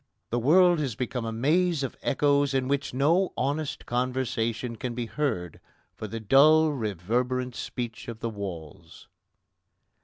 The world has become a maze of echoes in which no honest conversation can be heard for the dull reverberant speech of the walls.